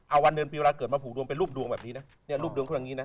เอาวันเดือนปีเวลาเกิดมาผูกดวงเป็นรูปดวงแบบนี้